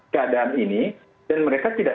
keadaan ini dan mereka tidak